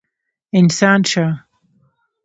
انسان شه!